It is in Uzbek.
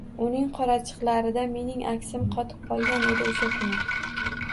Uning qorachiqlarida mening aksim qotib qolgan edi o‘sha kuni